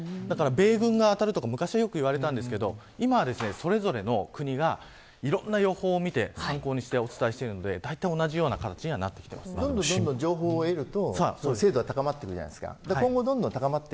米軍のが当たるとかよく言われていたんですけどそれぞれの国が参考にしてお伝えしているんでだいたい同じような形にどんどん情報を得ると精度は高まってくるじゃないですか。